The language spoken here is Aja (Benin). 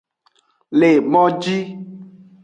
Le moji.